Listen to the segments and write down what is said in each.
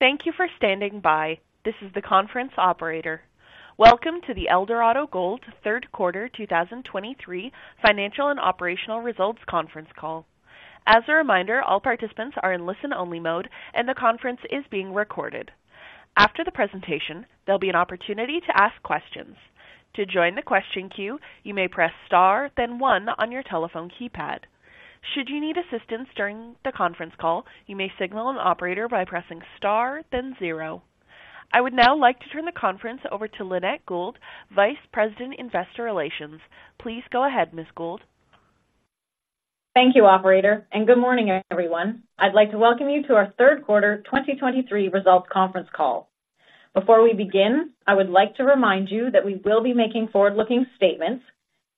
Thank you for standing by. This is the conference operator. Welcome to the Eldorado Gold Q3 2023 Financial and Operational Results conference call. As a reminder, all participants are in listen-only mode, and the conference is being recorded. After the presentation, there'll be an opportunity to ask questions. To join the question queue, you may press Star, then one on your telephone keypad. Should you need assistance during the conference call, you may signal an operator by pressing Star, then zero. I would now like to turn the conference over to Lynette Gould, Vice President, Investor Relations. Please go ahead, Ms. Gould. Thank you, operator, and good morning, everyone. I'd like to welcome you to our Q3 2023 results conference call. Before we begin, I would like to remind you that we will be making forward-looking statements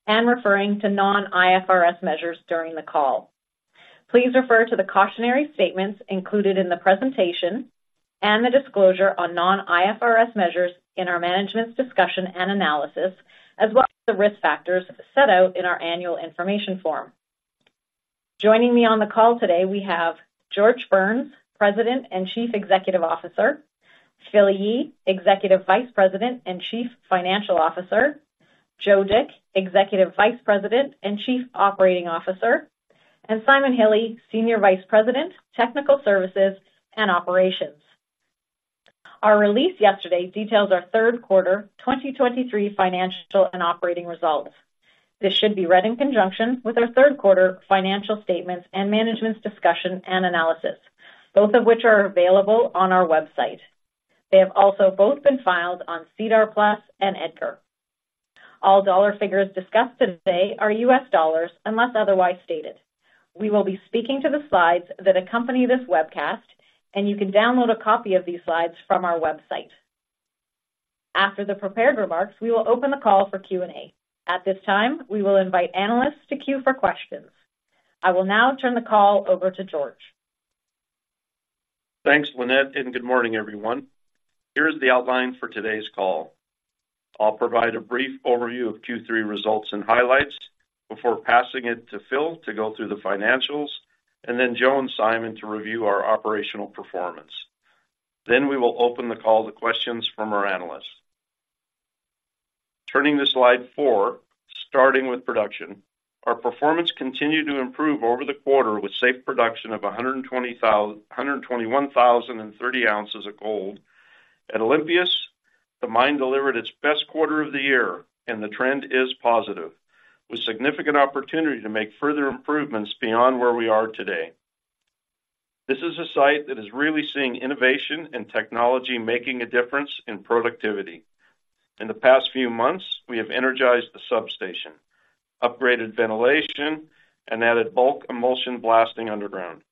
and referring to non-IFRS measures during the call. Please refer to the cautionary statements included in the presentation and the disclosure on non-IFRS measures in our Management's Discussion and Analysis, as well as the risk factors set out in our Annual Information Form. Joining me on the call today, we have George Burns, President and Chief Executive Officer, Phil Yee, Executive Vice President and Chief Financial Officer, Joe Dick, Executive Vice President and Chief Operating Officer, and Simon Hille, Senior Vice President, Technical Services and Operations. Our release yesterday detailed our Q3 2023 financial and operating results. This should be read in conjunction with our Q3 financial statements and Management's Discussion and Analysis, both of which are available on our website. They have also both been filed on SEDAR+ and EDGAR. All dollar figures discussed today are US dollars, unless otherwise stated. We will be speaking to the slides that accompany this webcast, and you can download a copy of these slides from our website. After the prepared remarks, we will open the call for Q&A. At this time, we will invite analysts to queue for questions. I will now turn the call over to George. Thanks, Lynette, and good morning, everyone. Here's the outline for today's call. I'll provide a brief overview of Q3 results and highlights before passing it to Phil to go through the financials, and then Joe and Simon to review our operational performance. Then we will open the call to questions from our analysts. Turning to slide four, starting with production. Our performance continued to improve over the quarter with safe production of 121,030oz of gold. At Olympias, the mine delivered its best quarter of the year, and the trend is positive, with significant opportunity to make further improvements beyond where we are today. This is a site that is really seeing innovation and technology making a difference in productivity. In the past few months, we have energized the substation, upgraded ventilation, and added bulk emulsion blasting underground.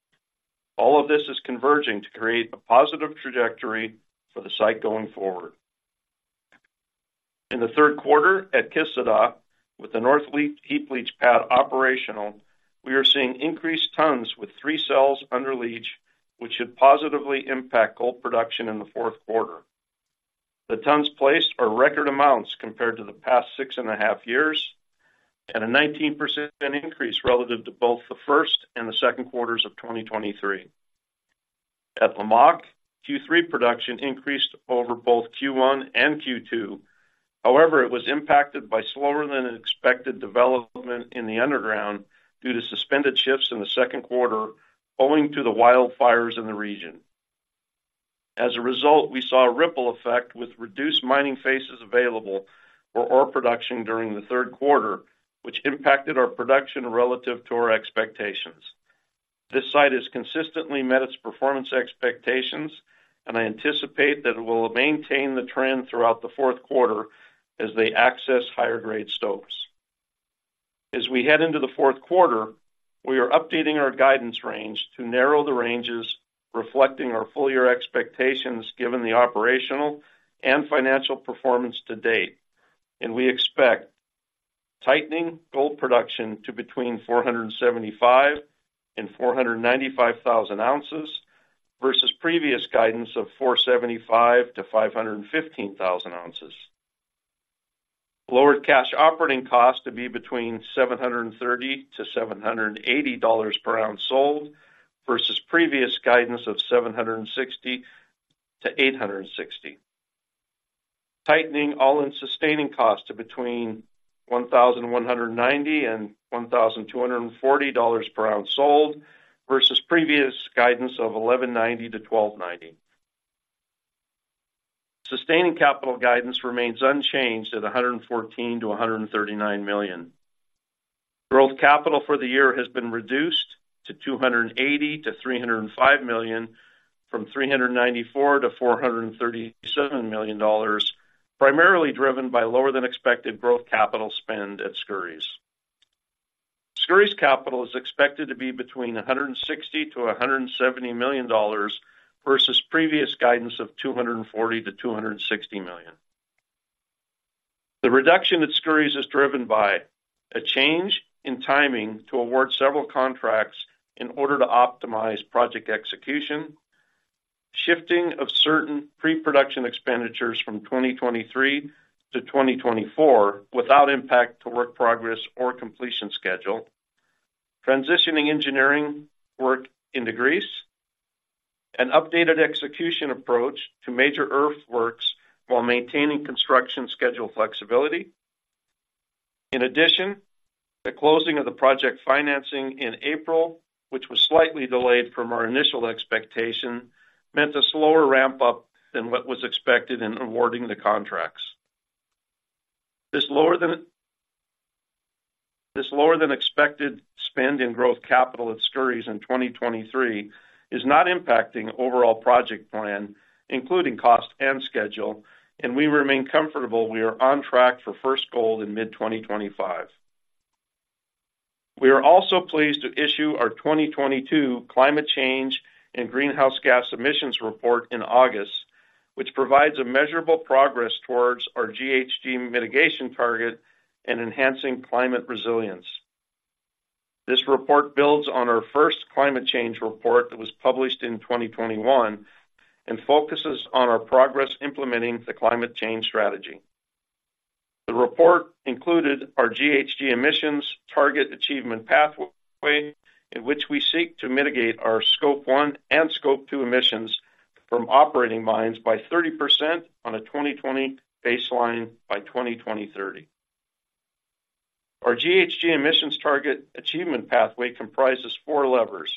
All of this is converging to create a positive trajectory for the site going forward. In the Q3, at Kışladağ, with the North Heap Leach Pad operational, we are seeing increased tons with three cells under leach, which should positively impact gold production in the Q4. The tons placed are record amounts compared to the past six and a half years, and a 19% increase relative to both the Q1 and Q2 of 2023. At Lamaque, Q3 production increased over both Q1 and Q2. However, it was impacted by slower than expected development in the underground due to suspended shifts in the Q2, owing to the wildfires in the region. As a result, we saw a ripple effect with reduced mining faces available for ore production during the Q3, which impacted our production relative to our expectations. This site has consistently met its performance expectations, and I anticipate that it will maintain the trend throughout the Q4 as they access higher grade stopes. As we head into the Q4, we are updating our guidance range to narrow the ranges, reflecting our full-year expectations, given the operational and financial performance to date. We expect tightening gold production to between 475,000oz and 495,000oz versus previous guidance of 475,000oz to 515,000oz. Lowered cash operating costs to be between $730 to $780 per ounce sold, versus previous guidance of $760 to $860. Tightening all-in sustaining costs to between $1,190 to $1,240 per ounce sold, versus previous guidance of $1,190 to $1,290. Sustaining capital guidance remains unchanged at $114 to $139 million. Growth capital for the year has been reduced to $280 to $305 million, from $394 to $437 million dollars, primarily driven by lower than expected growth capital spend at Skouries. Skouries capital is expected to be between $160 to $170 million dollars versus previous guidance of $240 to $260 million. The reduction at Skouries is driven by a change in timing to award several contracts in order to optimize project execution, shifting of certain pre-production expenditures from 2023 to 2024 without impact to work progress or completion schedule, transitioning engineering work into Greece, an updated execution approach to major earthworks while maintaining construction schedule flexibility. In addition, the closing of the project financing in April, which was slightly delayed from our initial expectation, meant a slower ramp-up than what was expected in awarding the contracts. This lower than expected spend in growth capital at Skouries in 2023 is not impacting overall project plan, including cost and schedule, and we remain comfortable we are on track for first gold in mid-2025. We are also pleased to issue our 2022 climate change and greenhouse gas emissions report in August, which provides a measurable progress towards our GHG mitigation target and enhancing climate resilience. This report builds on our first climate change report that was published in 2021 and focuses on our progress implementing the climate change strategy. The report included our GHG emissions target achievement pathway, in which we seek to mitigate our Scope one and Scope two emissions from operating mines by 30% on a 2020 baseline by 2030. Our GHG emissions target achievement pathway comprises four levers: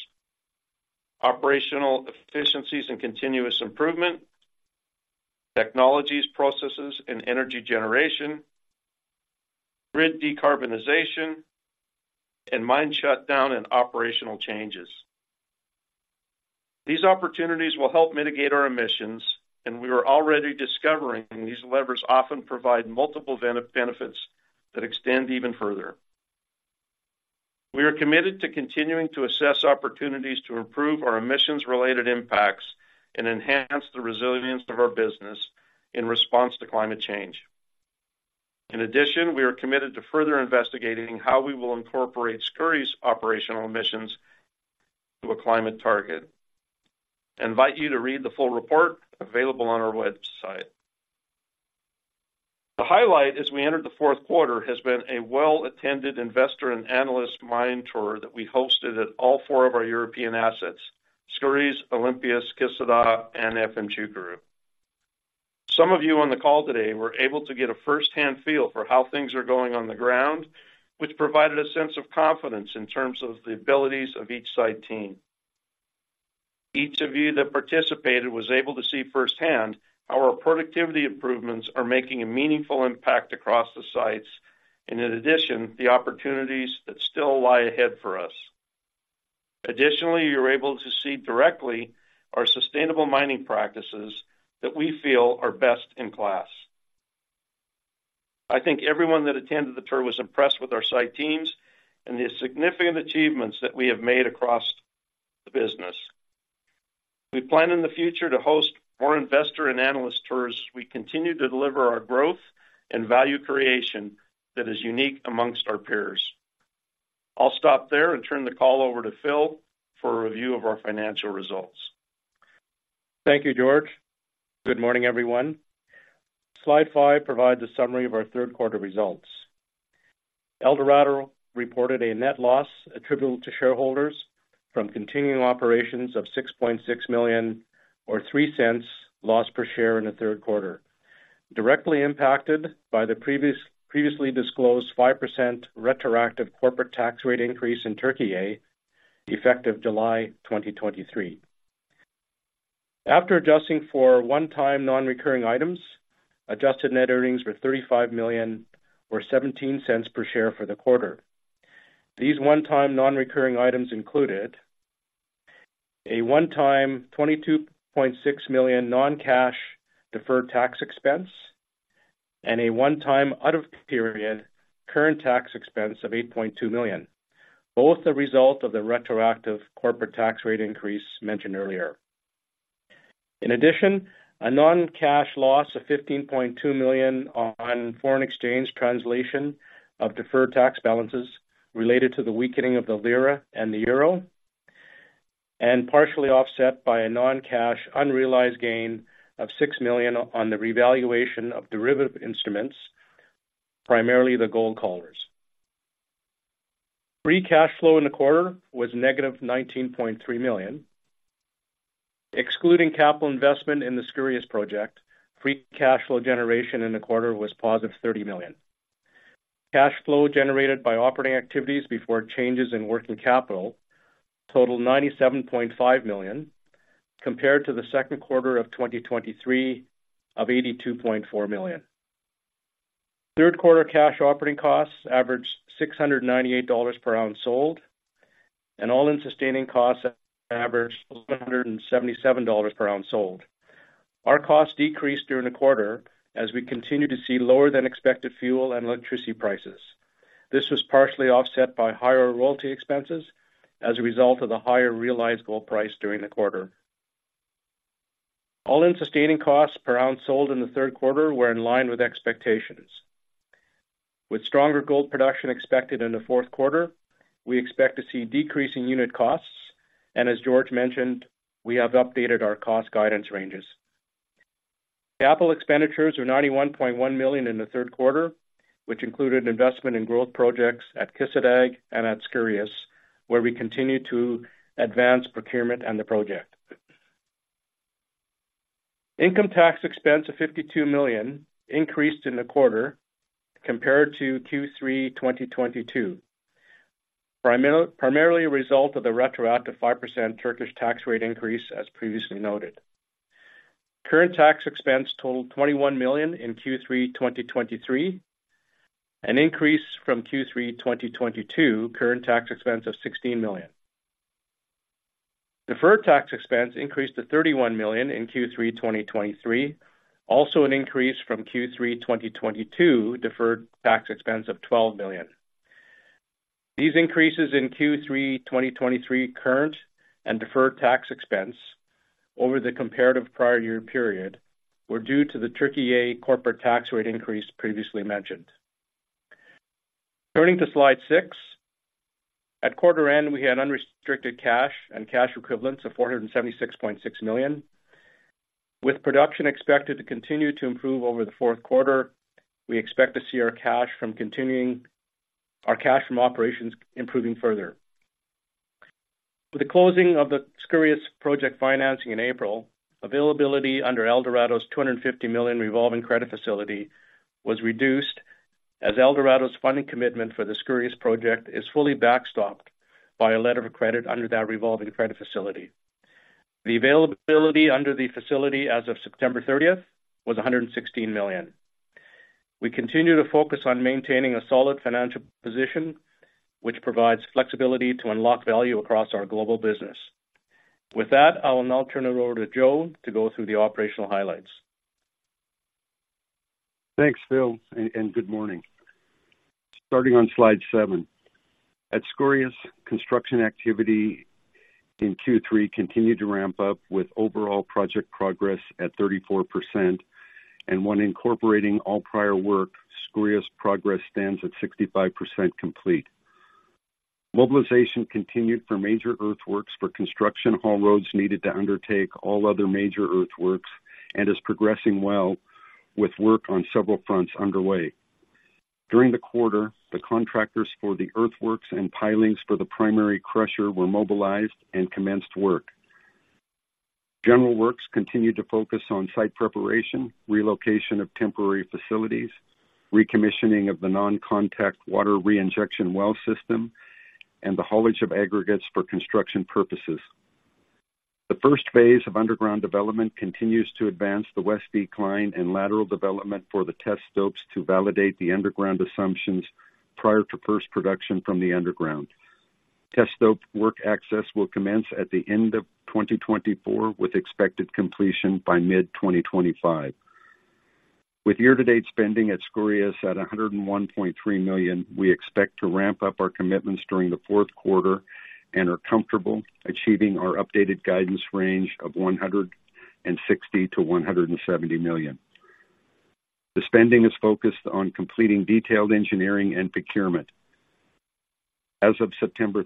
operational efficiencies and continuous improvement, technologies, processes, and energy generation, grid decarbonization, and mine shutdown and operational changes. These opportunities will help mitigate our emissions, and we are already discovering these levers often provide multiple benefits that extend even further. We are committed to continuing to assess opportunities to improve our emissions-related impacts and enhance the resilience of our business in response to climate change. In addition, we are committed to further investigating how we will incorporate Skouries' operational emissions to a climate target. I invite you to read the full report available on our website. The highlight as we entered the Q4 has been a well-attended investor and analyst mine tour that we hosted at all four of our European assets, Skouries, Olympias, Kışladağ, and Efemçukuru. Some of you on the call today were able to get a first-hand feel for how things are going on the ground, which provided a sense of confidence in terms of the abilities of each site team. Each of you that participated was able to see firsthand how our productivity improvements are making a meaningful impact across the sites, and in addition, the opportunities that still lie ahead for us. Additionally, you're able to see directly our sustainable mining practices that we feel are best in class. I think everyone that attended the tour was impressed with our site teams and the significant achievements that we have made across the business. We plan in the future to host more investor and analyst tours as we continue to deliver our growth and value creation that is unique amongst our peers. I'll stop there and turn the call over to Phil for a review of our financial results. Thank you, George. Good morning, everyone. Slide five provides a summary of our Q3 results. Eldorado reported a net loss attributable to shareholders from continuing operations of $6.6 million, or $0.03 loss per share in the Q3, directly impacted by the previously disclosed 5% retroactive corporate tax rate increase in Turkey, effective July 2023. After adjusting for one-time non-recurring items, adjusted net earnings were $35 million, or $0.17 per share for the quarter. These one-time non-recurring items included a one-time $22.6 million non-cash deferred tax expense and a one-time out-of-period current tax expense of $8.2 million, both the result of the retroactive corporate tax rate increase mentioned earlier. In addition, a non-cash loss of $15.2 million on foreign exchange translation of deferred tax balances related to the weakening of the lira and the euro, and partially offset by a non-cash unrealized gain of $6 million on the revaluation of derivative instruments, primarily the gold collars. Free cash flow in the quarter was negative $19.3 million. Excluding capital investment in the Skouries project, free cash flow generation in the quarter was positive $30 million. Cash flow generated by operating activities before changes in working capital totaled $97.5 million, compared to the Q2 of 2023 of $82.4 million. Q3 cash operating costs averaged $698 per ounce sold, and all-in sustaining costs averaged $177 per ounce sold. Our costs decreased during the quarter as we continued to see lower than expected fuel and electricity prices. This was partially offset by higher royalty expenses as a result of the higher realized gold price during the quarter. All-in sustaining costs per ounce sold in the Q3 were in line with expectations. With stronger gold production expected in the Q4, we expect to see decreasing unit costs, and as George mentioned, we have updated our cost guidance ranges. Capital expenditures were $91.1 million in the Q3, which included investment in growth projects at Kışladağ and at Skouries, where we continue to advance procurement and the project. Income tax expense of $52 million increased in the quarter compared to Q3 2022. Primarily a result of the retroactive 5% Turkish tax rate increase, as previously noted. Current tax expense totaled $21 million in Q3 2023, an increase from Q3 2022 current tax expense of $16 million. Deferred tax expense increased to $31 million in Q3 2023, also an increase from Q3 2022 deferred tax expense of $12 million. These increases in Q3 2023 current and deferred tax expense over the comparative prior year period were due to the Turkey corporate tax rate increase previously mentioned. Turning to slide six. At quarter-end, we had unrestricted cash and cash equivalents of $476.6 million. With production expected to continue to improve over the Q4, we expect to see our cash from operations improving further. With the closing of the Skouries project financing in April, availability under Eldorado's $250 million revolving credit facility was reduced, as Eldorado's funding commitment for the Skouries project is fully backstopped by a letter of credit under that revolving credit facility. The availability under the facility as of 30 September was $116 million. We continue to focus on maintaining a solid financial position, which provides flexibility to unlock value across our global business. With that, I will now turn it over to Joe to go through the operational highlights. Thanks, Phil, and good morning. Starting on slide seven. At Skouries, construction activity in Q3 continued to ramp up, with overall project progress at 34%, and when incorporating all prior work, Skouries progress stands at 65% complete. Mobilization continued for major earthworks, for construction haul roads needed to undertake all other major earthworks, and is progressing well with work on several fronts underway. During the quarter, the contractors for the earthworks and pilings for the primary crusher were mobilized and commenced work. General works continued to focus on site preparation, relocation of temporary facilities, recommissioning of the non-contact water reinjection well system, and the haulage of aggregates for construction purposes. The first phase of underground development continues to advance the west decline and lateral development for the test stopes to validate the underground assumptions prior to first production from the underground. Test Stope work access will commence at the end of 2024, with expected completion by mid-2025. With year-to-date spending at Skouries at $101.3 million, we expect to ramp up our commitments during the Q4 and are comfortable achieving our updated guidance range of $160 million to $170 million. The spending is focused on completing detailed engineering and procurement. As of 30 September,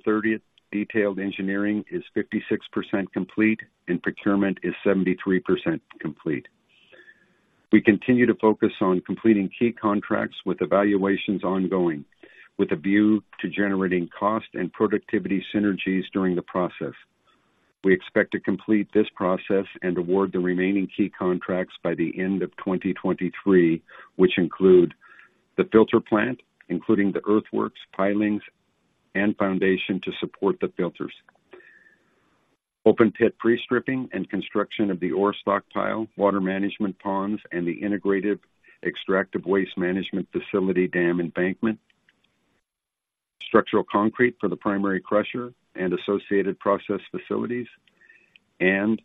detailed engineering is 56% complete and procurement is 73% complete. We continue to focus on completing key contracts with evaluations ongoing, with a view to generating cost and productivity synergies during the process. We expect to complete this process and award the remaining key contracts by the end of 2023, which include: the filter plant, including the earthworks, pilings and foundation to support the filters. Open pit pre-stripping and construction of the ore stockpile, water management ponds, and the integrated extractive waste management facility dam embankment. Structural concrete for the primary crusher and associated process facilities, and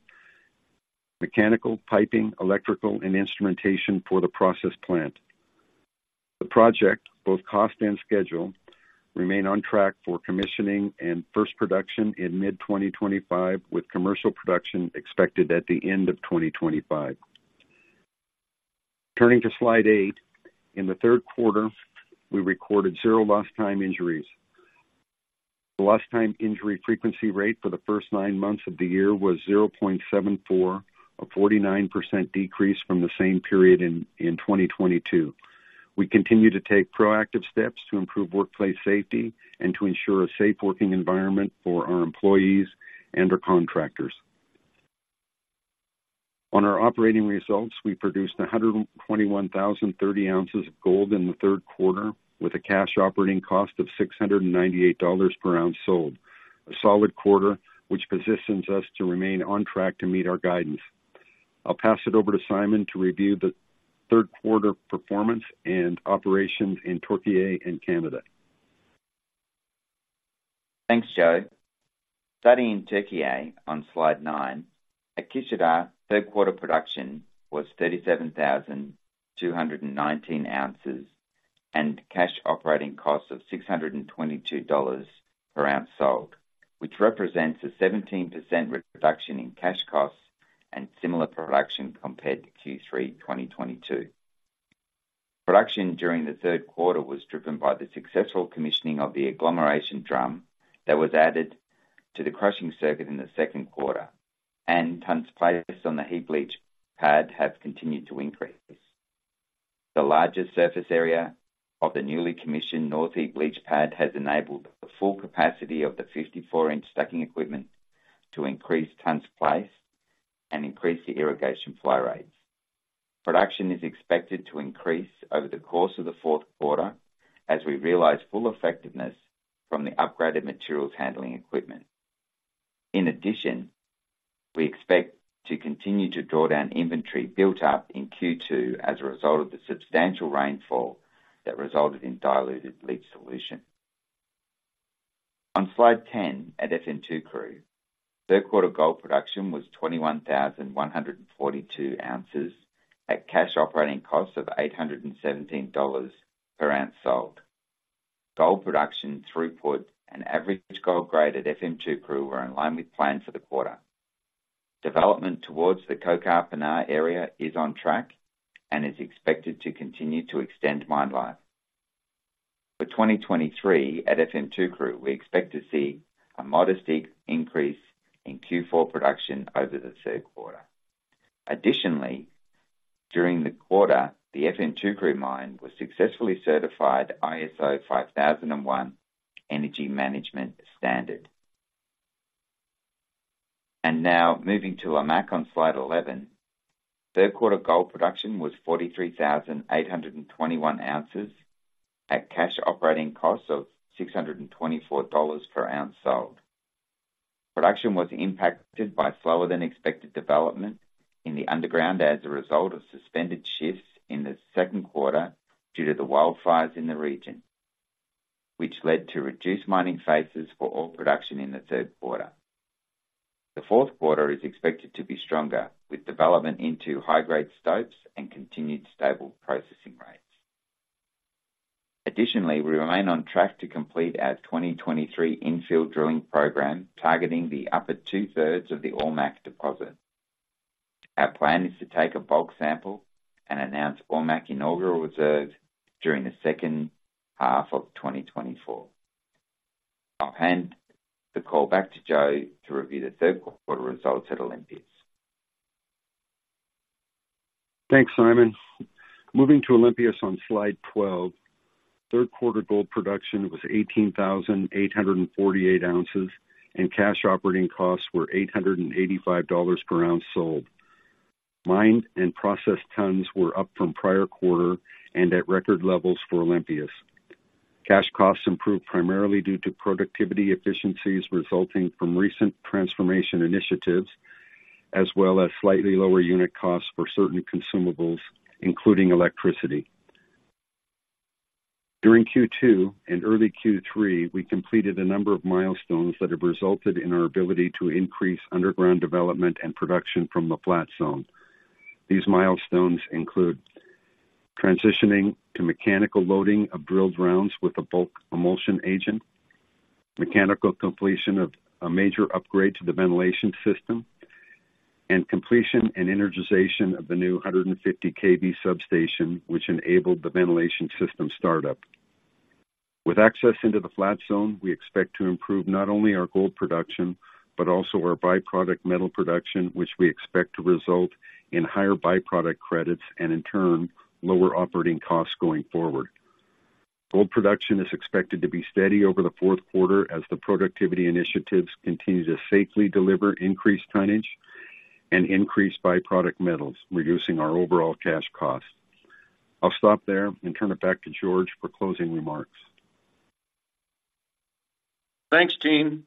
mechanical, piping, electrical and instrumentation for the process plant. The project, both cost and schedule, remain on track for commissioning and first production in mid-2025, with commercial production expected at the end of 2025. Turning to slide eight. In the Q3, we recorded zero lost time injuries. The lost time injury frequency rate for the first nine months of the year was $0.74, a 49% decrease from the same period in 2022. We continue to take proactive steps to improve workplace safety and to ensure a safe working environment for our employees and our contractors. On our operating results, we produced 121,030oz of gold in the Q3, with a cash operating cost of $698 per ounce sold. A solid quarter, which positions us to remain on track to meet our guidance. I'll pass it over to Simon to review the Q3 performance and operations in Turkey and Canada. Thanks, Joe. Starting in Turkey on Slide nine. At Kışladağ, Q3 production was 37,219oz, and cash operating costs of $622 per ounce sold, which represents a 17% reduction in cash costs and similar production compared to Q3 2022. Production during the Q3 was driven by the successful commissioning of the agglomeration drum that was added to the crushing circuit in the Q2, and tonnes placed on the heap leach pad have continued to increase. The largest surface area of the newly commissioned North Heap Leach Pad has enabled the full capacity of the 54-inch stacking equipment to increase tonnes placed and increase the irrigation flow rates. Production is expected to increase over the course of the Q4 as we realize full effectiveness from the upgraded materials handling equipment. In addition, we expect to continue to draw down inventory built up in Q2 as a result of the substantial rainfall that resulted in diluted leach solution. On slide 10, at Efemçukuru, Q3 gold production was 21,142oz at cash operating costs of $817 per ounce sold. Gold production throughput and average gold grade at Efemçukuru were in line with plan for the quarter. Development towards the Kokarpinar area is on track and is expected to continue to extend mine life. For 2023 at Efemçukuru, we expect to see a modest increase in Q4 production over the Q3. Additionally, during the quarter, the Efemçukuru mine was successfully certified ISO 50001 energy management standard. Now moving to Lamaque on slide 11. Q3 gold production was 43,821oz at cash operating costs of $624 per ounce sold. Production was impacted by slower than expected development in the underground as a result of suspended shifts in the Q2 due to the wildfires in the region, which led to reduced mining phases for all production in the Q3. The Q4 is expected to be stronger, with development into high-grade stopes and continued stable processing rates. Additionally, we remain on track to complete our 2023 infill drilling program, targeting the upper two-thirds of the Ormaque deposit. Our plan is to take a bulk sample and announce Ormaque inaugural reserve during the second half of 2024. I'll hand the call back to Joe to review the Q3 results at Olympias. Thanks, Simon. Moving to Olympias on slide 12. Q3 gold production was 18,848oz, and cash operating costs were $885 per ounce sold. Mined and processed tonnes were up from prior quarter and at record levels for Olympias. Cash costs improved primarily due to productivity efficiencies resulting from recent transformation initiatives, as well as slightly lower unit costs for certain consumables, including electricity. During Q2 and early Q3, we completed a number of milestones that have resulted in our ability to increase underground development and production from the flat zone. These milestones include transitioning to mechanical loading of drilled rounds with a bulk emulsion agent, mechanical completion of a major upgrade to the ventilation system, and completion and energization of the new 150 kV substation, which enabled the ventilation system startup. With access into the Flat Zone, we expect to improve not only our gold production, but also our byproduct metal production, which we expect to result in higher byproduct credits and in turn, lower operating costs going forward. Gold production is expected to be steady over the Q4 as the productivity initiatives continue to safely deliver increased tonnage and increased byproduct metals, reducing our overall cash costs. I'll stop there and turn it back to George for closing remarks. Thanks, team.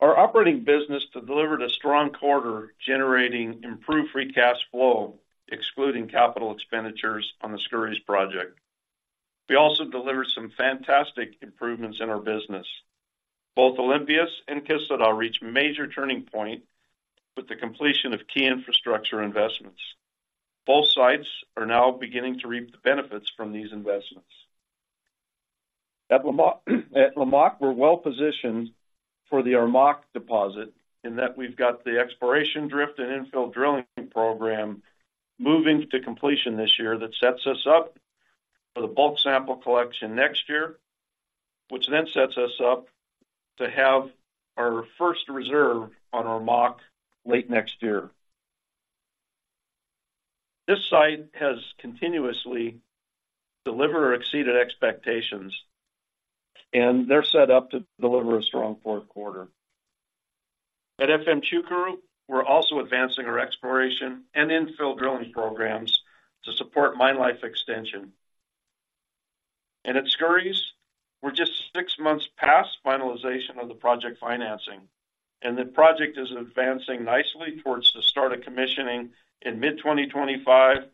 Our operating business has delivered a strong quarter, generating improved free cash flow, excluding capital expenditures on the Skouries project. We also delivered some fantastic improvements in our business. Both Olympias and Kışladağ reached a major turning point with the completion of key infrastructure investments. Both sites are now beginning to reap the benefits from these investments. At Lamaque, at Lamaque, we're well-positioned for the Ormaque deposit in that we've got the exploration drift and infill drilling program moving to completion this year. That sets us up for the bulk sample collection next year, which then sets us up to have our first reserve on Ormaque late next year. This site has continuously delivered or exceeded expectations, and they're set up to deliver a strong Q4. At Efemçukuru, we're also advancing our exploration and infill drilling programs to support mine life extension. At Skouries, we're just six months past finalization of the project financing, and the project is advancing nicely towards the start of commissioning in mid-2025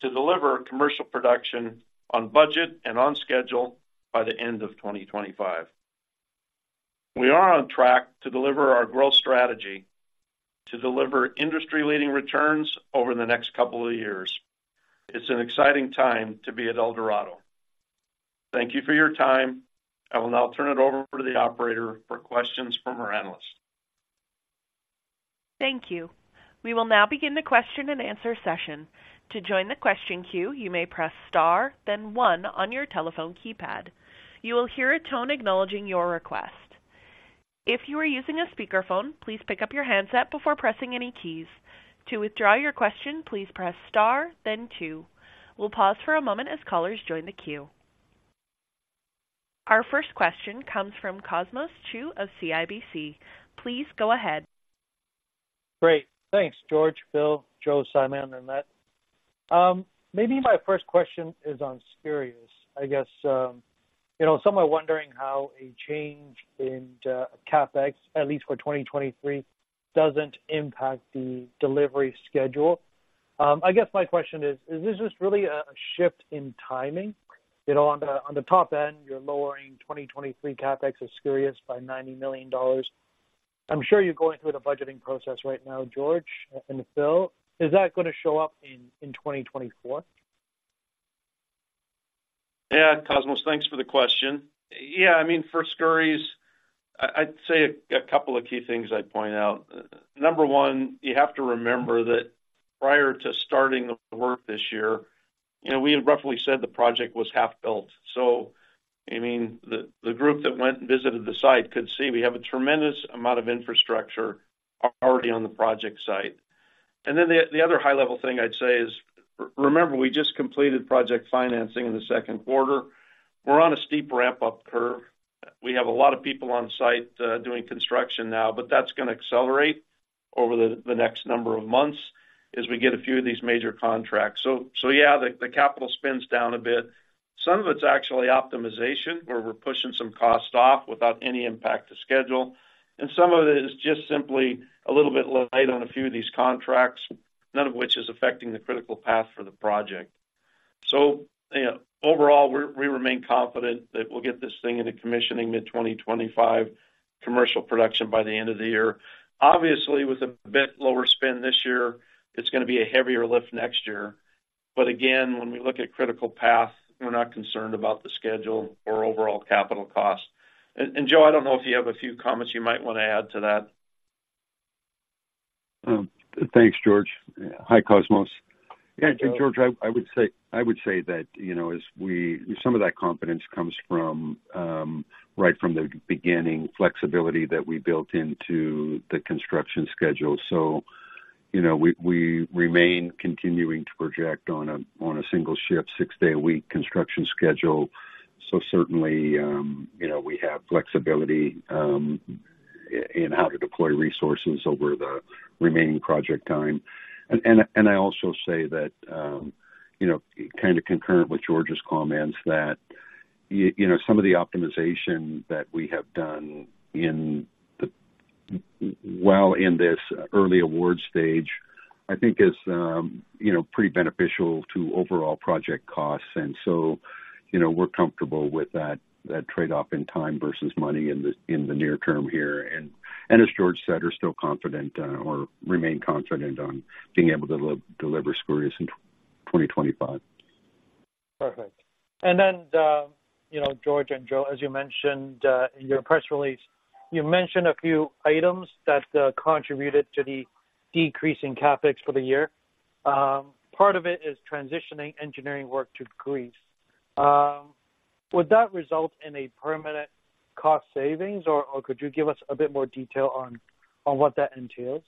to deliver commercial production on budget and on schedule by the end of 2025. We are on track to deliver our growth strategy to deliver industry-leading returns over the next couple of years. It's an exciting time to be at Eldorado. Thank you for your time. I will now turn it over to the operator for questions from our analysts. Thank you. We will now begin the question-and-answer session. To join the question queue, you may press star, then one on your telephone keypad. You will hear a tone acknowledging your request. If you are using a speakerphone, please pick up your handset before pressing any keys. To withdraw your question, please press star then two. We'll pause for a moment as callers join the queue. Our first question comes from Cosmos Chiu of CIBC. Please go ahead. Great. Thanks, George, Phil, Joe, Simon, and Lynette. Maybe my first question is on Skouries. I guess, you know, some are wondering how a change in, CapEx, at least for 2023, doesn't impact the delivery schedule. I guess my question is: Is this just really a, a shift in timing? You know, on the top end, you're lowering 2023 CapEx of Skouries by $90 million. I'm sure you're going through the budgeting process right now, George and Phil. Is that gonna show up in 2024? Yeah. Cosmos, thanks for the question. Yeah, I mean, for Skouries, I'd say a couple of key things I'd point out. Number one, you have to remember that prior to starting the work this year, you know, we had roughly said the project was half built. So, I mean, the group that went and visited the site could see we have a tremendous amount of infrastructure already on the project site. And then the other high-level thing I'd say is, remember, we just completed project financing in the Q2. We're on a steep ramp-up curve. We have a lot of people on site doing construction now, but that's gonna accelerate over the next number of months as we get a few of these major contracts. So, yeah, the capital spend's down a bit. Some of it's actually optimization, where we're pushing some costs off without any impact to schedule, and some of it is just simply a little bit light on a few of these contracts, none of which is affecting the critical path for the project. So, you know, overall, we remain confident that we'll get this thing into commissioning mid-2025, commercial production by the end of the year. Obviously, with a bit lower spend this year, it's gonna be a heavier lift next year. But again, when we look at critical path, we're not concerned about the schedule or overall capital costs. And, Joe, I don't know if you have a few comments you might wanna add to that. Thanks, George. Hi, Cosmos. Hi, Joe. Yeah, George, I would say that, you know, some of that confidence comes from right from the beginning, flexibility that we built into the construction schedule. So, you know, we remain continuing to project on a single shift, six-day-a-week construction schedule. So certainly, you know, we have flexibility in how to deploy resources over the remaining project time. And I also say that, you know, kind of concurrent with George's comments, that you know, some of the optimization that we have done in while in this early award stage, I think is, you know, pretty beneficial to overall project costs. And so, you know, we're comfortable with that trade-off in time versus money in the near term here. As George said, are still confident or remain confident on being able to deliver Skouries in 2025. Perfect. And then, you know, George and Joe, as you mentioned, in your press release, you mentioned a few items that contributed to the decrease in CapEx for the year. Part of it is transitioning engineering work to Greece. Would that result in a permanent cost savings, or could you give us a bit more detail on what that entails?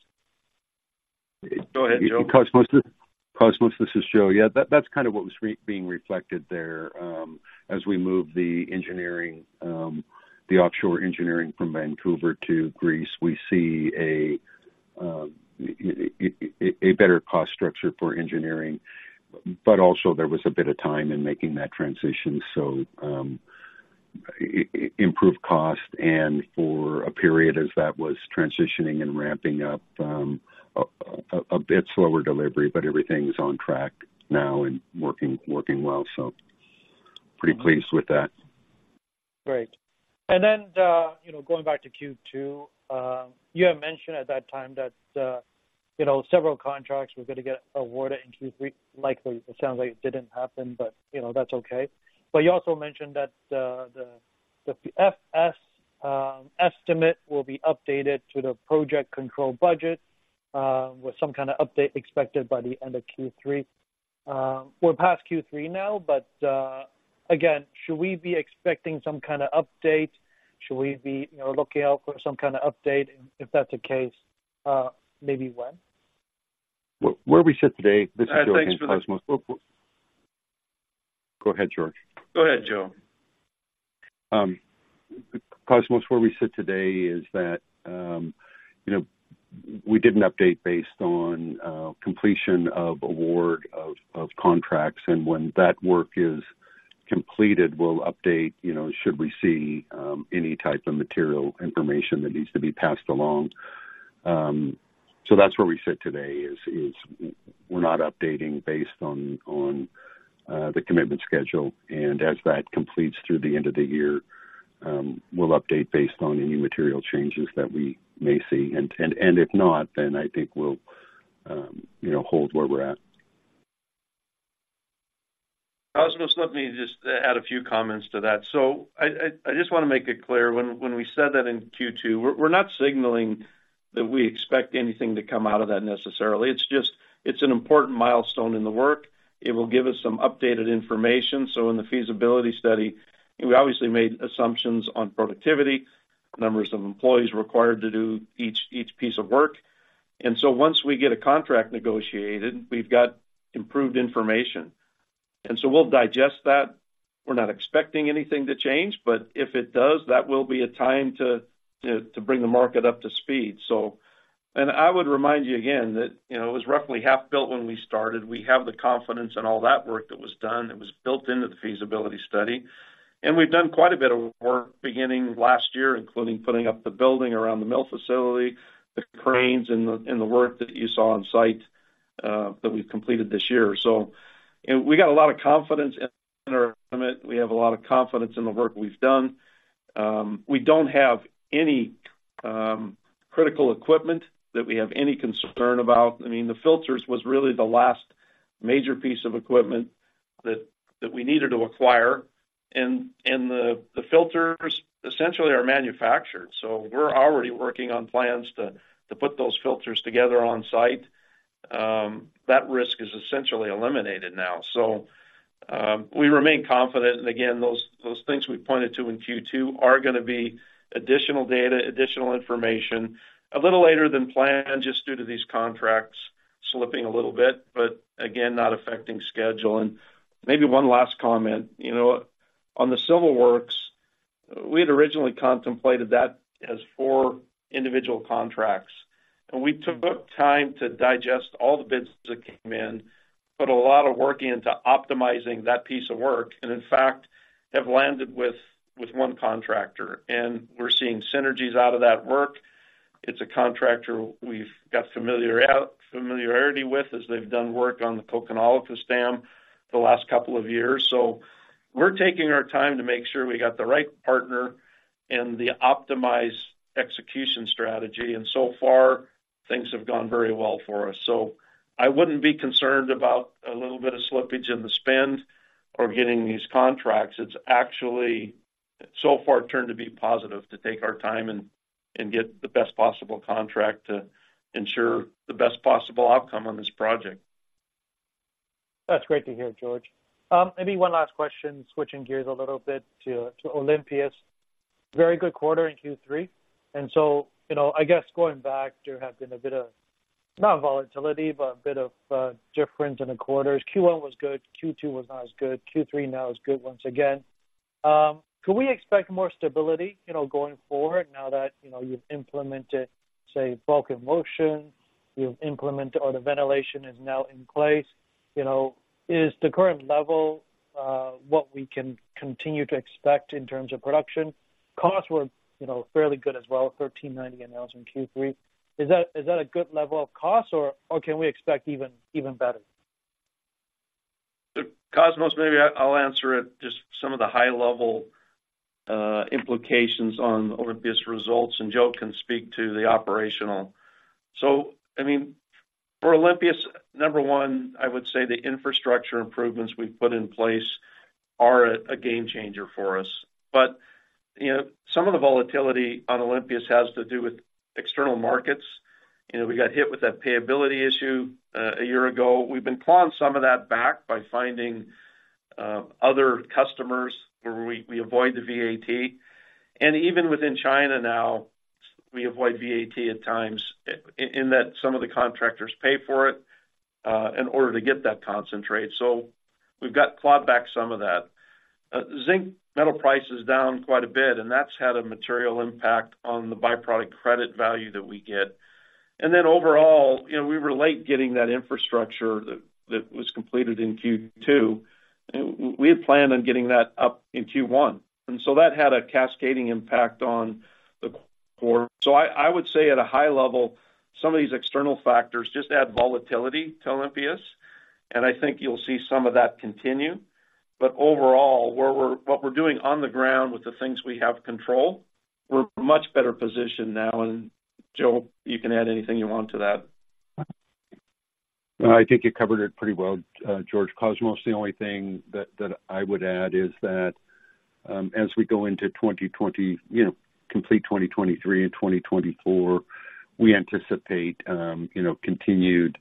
Go ahead, Joe. Cosmos, this is Joe. Yeah, that's kind of what was being reflected there. As we move the engineering, the offshore engineering from Vancouver to Greece, we see a better cost structure for engineering, but also there was a bit of time in making that transition. So, improved cost and for a period as that was transitioning and ramping up, a bit slower delivery, but everything's on track now and working well, so pretty pleased with that. Great. And then, you know, going back to Q2, you had mentioned at that time that, you know, several contracts were gonna get awarded in Q3. Likely, it sounds like it didn't happen, but, you know, that's okay. But you also mentioned that, the FS, estimate will be updated to the project control budget, with some kind of update expected by the end of Q3. We're past Q3 now, but, again, should we be expecting some kind of update? Should we be, you know, looking out for some kind of update, and if that's the case, maybe when? Where we sit today. This is Joe again, Cosmos. Thanks for that. Go ahead, George. Go ahead, Joe. Cosmos, where we sit today is that, you know, we did an update based on completion of award of contracts, and when that work is completed, we'll update, you know, should we see any type of material information that needs to be passed along. So that's where we sit today; we're not updating based on the commitment schedule. And as that completes through the end of the year, we'll update based on any material changes that we may see. And if not, then I think we'll, you know, hold where we're at. Cosmos, let me just add a few comments to that. So I just wanna make it clear, when we said that in Q2, we're not signaling that we expect anything to come out of that necessarily. It's just an important milestone in the work. It will give us some updated information. So in the feasibility study, we obviously made assumptions on productivity, numbers of employees required to do each piece of work. And so once we get a contract negotiated, we've got improved information. And so we'll digest that. We're not expecting anything to change, but if it does, that will be a time to bring the market up to speed. So, and I would remind you again that, you know, it was roughly half built when we started. We have the confidence in all that work that was done, that was built into the feasibility study. We've done quite a bit of work beginning last year, including putting up the building around the mill facility, the cranes, and the work that you saw on site that we've completed this year. We got a lot of confidence in our estimate. We have a lot of confidence in the work we've done. We don't have any critical equipment that we have any concern about. I mean, the filters was really the last major piece of equipment that we needed to acquire, and the filters essentially are manufactured, so we're already working on plans to put those filters together on site. That risk is essentially eliminated now. We remain confident, and again, those things we pointed to in Q2 are gonna be additional data, additional information, a little later than planned, just due to these contracts slipping a little bit, but again, not affecting schedule. Maybe one last comment. You know, on the civil works, we had originally contemplated that as four individual contracts, and we took time to digest all the bids that came in, put a lot of work into optimizing that piece of work, and in fact, have landed with, with one contractor, and we're seeing synergies out of that work. It's a contractor we've got familiarity with, as they've done work on the Kokkinolakkas dam the last couple of years. We're taking our time to make sure we got the right partner and the optimized execution strategy. So far, things have gone very well for us. I wouldn't be concerned about a little bit of slippage in the spend or getting these contracts. It's actually, so far, turned to be positive, to take our time and get the best possible contract to ensure the best possible outcome on this project. That's great to hear, George. Maybe one last question, switching gears a little bit to Olympias. Very good quarter in Q3, and so, you know, I guess going back, there have been a bit of, not volatility, but a bit of, difference in the quarters. Q1 was good, Q2 was not as good, Q3 now is good once again. Can we expect more stability, you know, going forward now that, you know, you've implemented, say, bulk emulsion, you've implemented... or the ventilation is now in place? You know, is the current level, what we can continue to expect in terms of production? Costs were, you know, fairly good as well, $1,390 an ounce in Q3. Is that a good level of costs, or can we expect even better? So Cosmos, maybe I'll answer it, just some of the high level implications on Olympias results, and Joe can speak to the operational. So I mean, for Olympias, number one, I would say the infrastructure improvements we've put in place are a game changer for us. But, you know, some of the volatility on Olympias has to do with external markets. You know, we got hit with that pay ability issue a year ago. We've been clawing some of that back by finding other customers where we avoid the VAT. And even within China now, we avoid VAT at times, in that some of the contractors pay for it in order to get that concentrate. So we've got clawed back some of that. Zinc metal price is down quite a bit, and that's had a material impact on the byproduct credit value that we get. And then overall, you know, we were late getting that infrastructure that was completed in Q2. We had planned on getting that up in Q1, and so that had a cascading impact on the quarter. So I would say at a high level, some of these external factors just add volatility to Olympias, and I think you'll see some of that continue. But overall, what we're doing on the ground with the things we have control, we're much better positioned now. And, Joe, you can add anything you want to that. I think you covered it pretty well, George. Cosmos, the only thing that I would add is that, as we go into 2020, you know, complete 2023 and 2024, we anticipate, you know, continued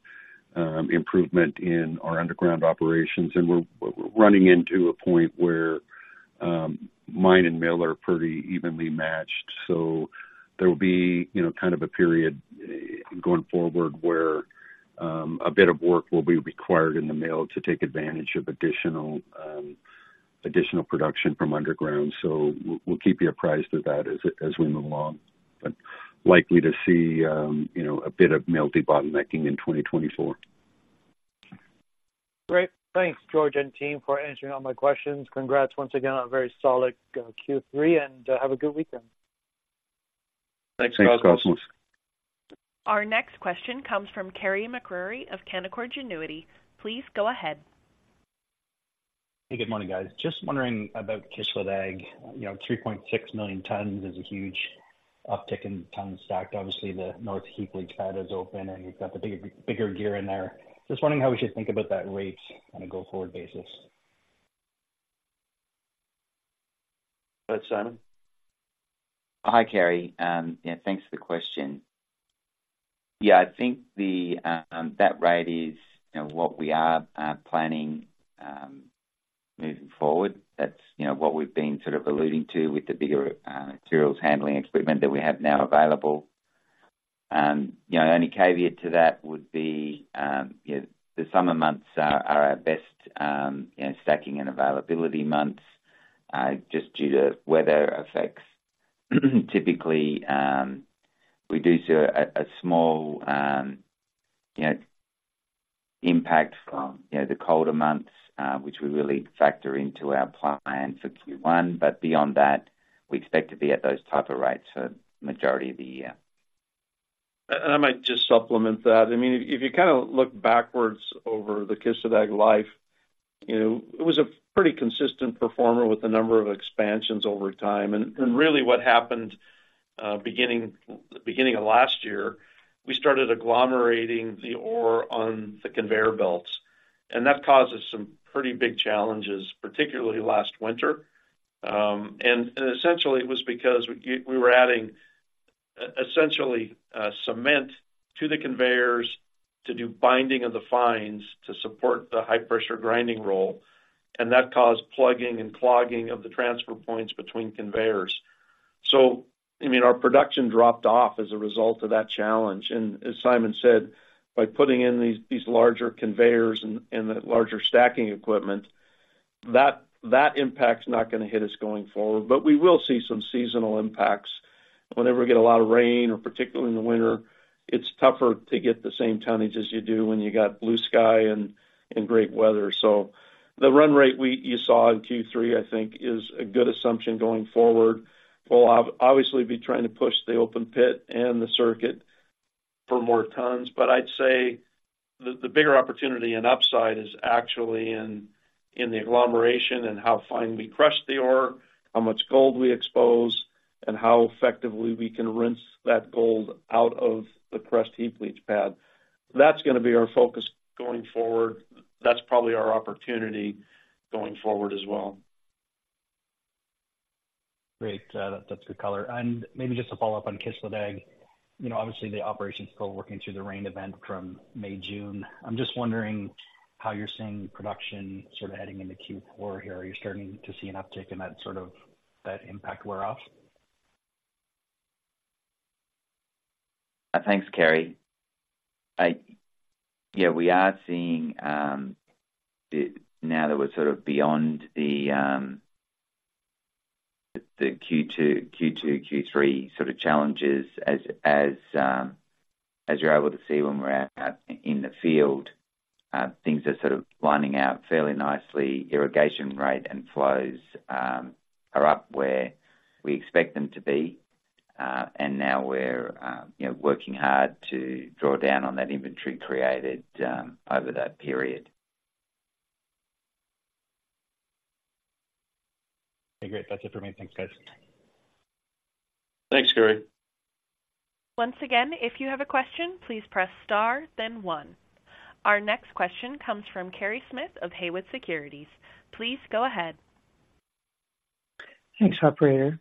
improvement in our underground operations, and we're running into a point where mine and mill are pretty evenly matched. There will be, you know, kind of a period, going forward, where a bit of work will be required in the mill to take advantage of additional, you know, additional production from underground. We'll keep you apprised of that as we move along. Likely to see, you know, a bit of mill debottlenecking in 2024. Great. Thanks, George and team, for answering all my questions. Congrats once again on a very solid Q3, and have a good weekend. Thanks, Cosmos. Thanks, Cosmos. Our next question comes from Carey MacRury of Canaccord Genuity. Please go ahead. Hey, good morning, guys. Just wondering about Kışladağ. You know, 3.6 million tons is a huge uptick in tons stacked. Obviously, the North Heap Leach Pad is open, and you've got the bigger, bigger gear in there. Just wondering how we should think about that rate on a go-forward basis? Go ahead, Simon. Hi, Carey. Yeah, thanks for the question. Yeah, I think that rate is, you know, what we are planning, moving forward. That's, you know, what we've been sort of alluding to with the bigger materials handling equipment that we have now available. You know, only caveat to that would be, you know, the summer months are our best, stacking and availability months, just due to weather effects. Typically, we do see a small, impact from, the colder months, which we really factor into our plan for Q1. But beyond that, we expect to be at those type of rates for majority of the year. I might just supplement that. I mean, if you kind of look backwards over the Kışladağ life, you know, it was a pretty consistent performer with a number of expansions over time. Really what happened, beginning of last year, we started agglomerating the ore on the conveyor belts, and that causes some pretty big challenges, particularly last winter. And essentially, it was because we were adding essentially cement to the conveyors to do binding of the fines to support the high-pressure grinding rolls, and that caused plugging and clogging of the transfer points between conveyors. So, I mean, our production dropped off as a result of that challenge. And as Simon said, by putting in these larger conveyors and the larger stacking equipment, that impact's not gonna hit us going forward. But we will see some seasonal impacts. Whenever we get a lot of rain, or particularly in the winter, it's tougher to get the same tonnage as you do when you got blue sky and great weather. So the run rate you saw in Q3, I think, is a good assumption going forward. We'll obviously be trying to push the open pit and the circuit for more tons, but I'd say the bigger opportunity and upside is actually in the agglomeration and how finely we crush the ore, how much gold we expose, and how effectively we can rinse that gold out of the crushed heap leach pad. That's gonna be our focus going forward. That's probably our opportunity going forward as well. Great. That's good color. Maybe just to follow up on Kışladağ, you know, obviously, the operation's still working through the rain event from May, June. I'm just wondering how you're seeing production sort of heading into Q4 here. Are you starting to see an uptick in that, sort of, that impact wear off? Thanks, Carey. Yeah, we are seeing now that we're sort of beyond the Q2, Q3 sort of challenges, as you're able to see when we're out in the field, things are sort of lining out fairly nicely. Irrigation rate and flows are up where we expect them to be. And now we're, you know, working hard to draw down on that inventory created over that period. Okay, great. That's it for me. Thanks, guys. Thanks, Carey. Once again, if you have a question, please press star, then one. Our next question comes from Kerry Smith of Haywood Securities. Please go ahead. Thanks, operator.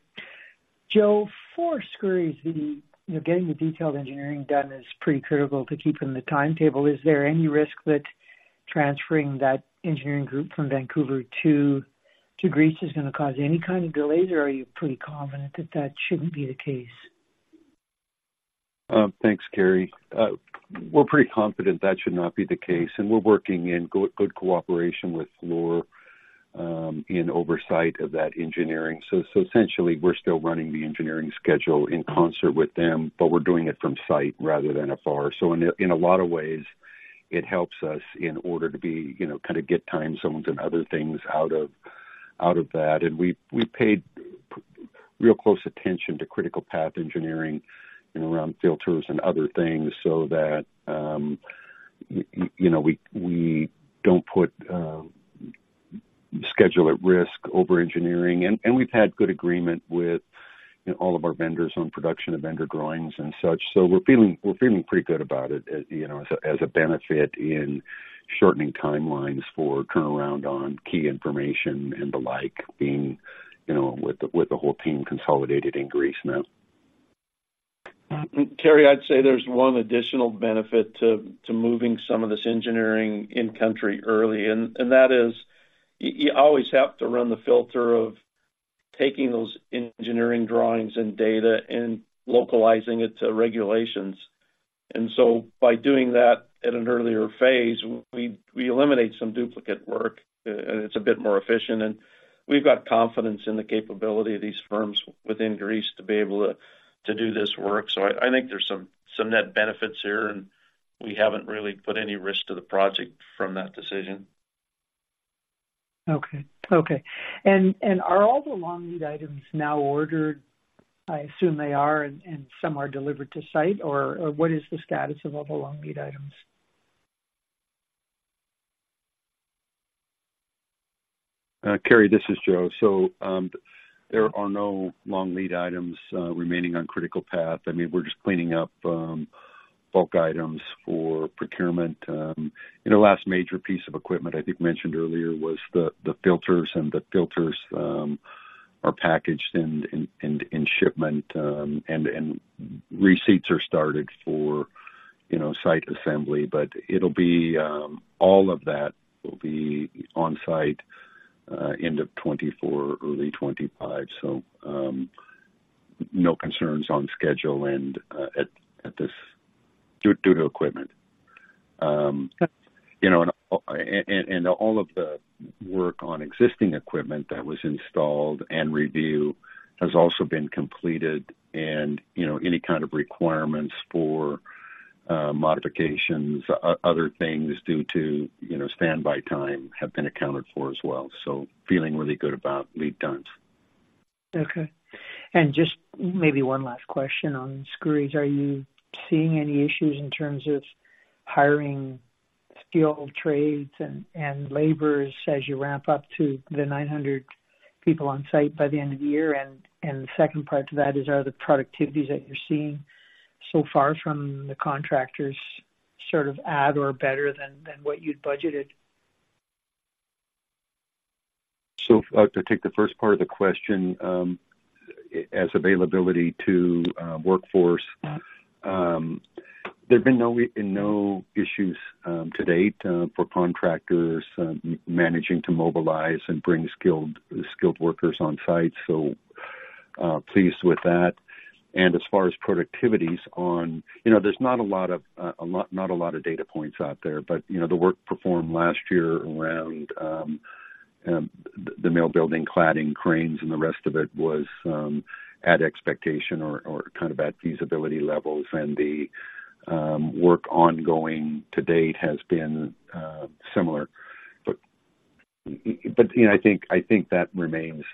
Joe, for Skouries, you know, getting the detailed engineering done is pretty critical to keeping the timetable. Is there any risk that transferring that engineering group from Vancouver to, to Greece is gonna cause any kind of delays, or are you pretty confident that that shouldn't be the case? Thanks, Kerry. We're pretty confident that should not be the case, and we're working in good cooperation with Fluor in oversight of that engineering. So essentially, we're still running the engineering schedule in concert with them, but we're doing it from site rather than afar. So in a lot of ways, it helps us in order to be, you know, kind of get time zones and other things out of that. And we paid real close attention to critical path engineering, you know, around filters and other things so that you know, we don't put schedule at risk over engineering. And we've had good agreement with, you know, all of our vendors on production of vendor drawings and such, so we're feeling pretty good about it, as you know, as a benefit in shortening timelines for turnaround on key information and the like, being, you know, with the whole team consolidated in Greece now. Carey, I'd say there's one additional benefit to moving some of this engineering in country early, and that is, you always have to run the filter of taking those engineering drawings and data and localizing it to regulations. So by doing that at an earlier phase, we eliminate some duplicate work, and it's a bit more efficient. And we've got confidence in the capability of these firms within Greece to be able to do this work. So I think there's some net benefits here, and we haven't really put any risk to the project from that decision. Okay. And are all the long-lead items now ordered? I assume they are and some are delivered to site, or what is the status of all the long-lead items? Kerry, this is Joe. So, there are no long lead items remaining on critical path. I mean, we're just cleaning up bulk items for procurement. You know, last major piece of equipment I think mentioned earlier was the filters. And the filters are packaged in shipment and receipts are started for, you know, site assembly. But it'll be all of that will be on site end of 2024, early 2025. So, no concerns on schedule and at this due to equipment. You know, and all of the work on existing equipment that was installed and review has also been completed and, you know, any kind of requirements for modifications, other things due to, you know, standby time, have been accounted for as well. Feeling really good about lead times. Okay. Just maybe one last question on Skouries. Are you seeing any issues in terms of hiring skilled trades and, and laborers as you ramp up to the 900 people on site by the end of the year? And, and the second part to that is, are the productivities that you're seeing so far from the contractors sort of at or better than, than what you'd budgeted? So, to take the first part of the question, as availability to workforce, there've been no issues to date for contractors managing to mobilize and bring skilled, skilled workers on site, so pleased with that. And as far as productivities on... You know, there's not a lot of data points out there, but you know, the work performed last year around the mill building, cladding, cranes, and the rest of it was at expectation or kind of at feasibility levels. And the work ongoing to date has been similar. But you know, I think that remains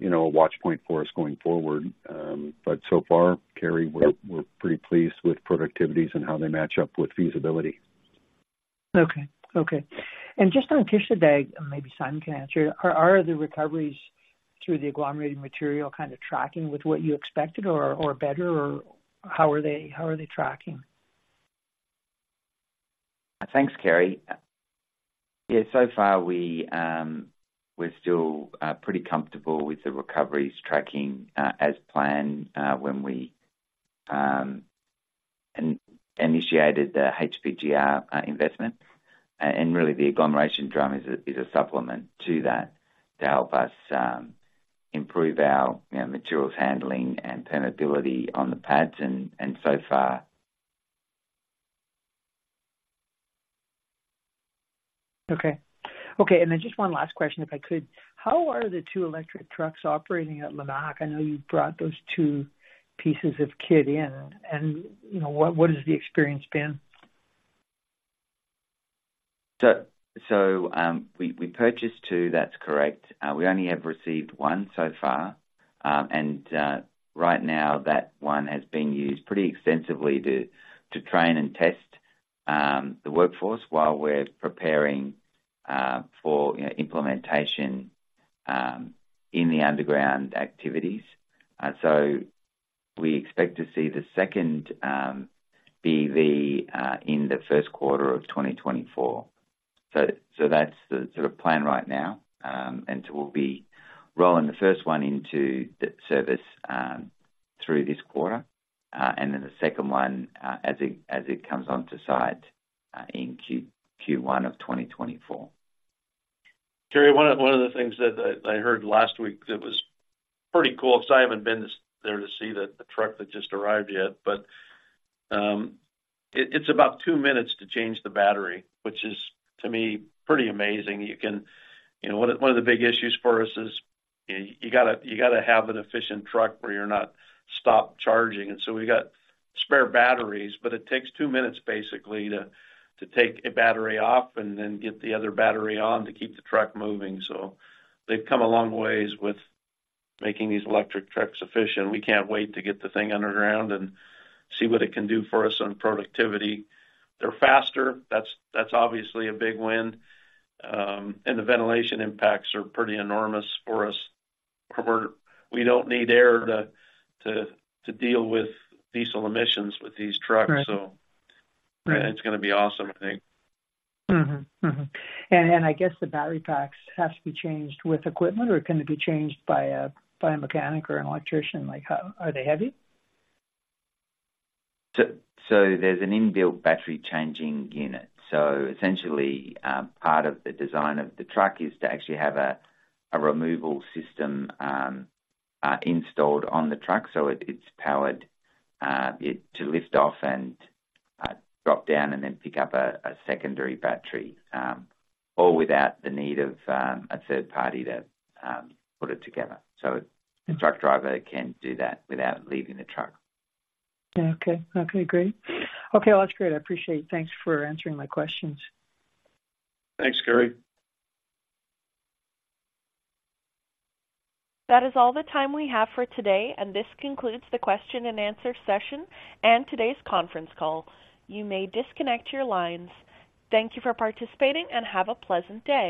you know, a watch point for us going forward. But so far, Kerry, we're pretty pleased with productivities and how they match up with feasibility. Okay. Okay. And just on Kışladağ, maybe Simon can answer. Are the recoveries through the agglomerating material kind of tracking with what you expected or better, or how are they tracking? Thanks, Carey. Yeah, so far we're still pretty comfortable with the recoveries tracking as planned when we initiated the HPGR investment. And really, the agglomeration drum is a supplement to that to help us improve our, you know, materials handling and permeability on the pads. And so far- Okay. Okay, and then just one last question, if I could. How are the two electric trucks operating at Lamaque? I know you brought those two pieces of kit in, and, you know, what, what has the experience been? So, we purchased two, that's correct. We only have received one so far. And right now, that one has been used pretty extensively to train and test the workforce while we're preparing for, you know, implementation in the underground activities. So we expect to see the second BEV in the Q1 of 2024. So that's the sort of plan right now. And so we'll be rolling the first one into the service through this quarter, and then the second one as it comes onto site in Q1 of 2024. Kerry, one of the things that I heard last week that was pretty cool, so I haven't been there to see the truck that just arrived yet, but it's about two minutes to change the battery, which is, to me, pretty amazing. You know, one of the big issues for us is you gotta have an efficient truck where you're not stopped charging. And so we got spare batteries, but it takes two minutes basically to take a battery off and then get the other battery on to keep the truck moving. So they've come a long ways with making these electric trucks efficient. We can't wait to get the thing underground and see what it can do for us on productivity. They're faster, that's obviously a big win. The ventilation impacts are pretty enormous for us, where we don't need air to deal with diesel emissions with these trucks. Right. It's gonna be awesome, I think. And I guess the battery packs have to be changed with equipment, or can it be changed by a mechanic or an electrician? Like, how are they heavy? So, there's a built-in battery changing unit. So essentially, part of the design of the truck is to actually have a removal system installed on the truck. So it's powered to lift off and drop down and then pick up a secondary battery, all without the need of a third party to put it together. So the truck driver can do that without leaving the truck. Okay, Okay, great. Okay, well, that's great. I appreciate it. Thanks for answering my questions. Thanks, Kerry. That is all the time we have for today, and this concludes the question and answer session and today's conference call. You may disconnect your lines. Thank you for participating, and have a pleasant day.